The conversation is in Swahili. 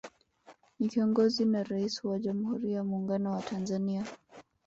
Ni kiongozi na Rais wa Jamhuri ya Muungano wa Tanzania